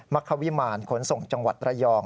รควิมารขนส่งจังหวัดระยอง